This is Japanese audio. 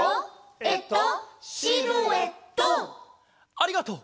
ありがとう！